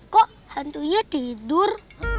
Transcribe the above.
kok hantunya tidur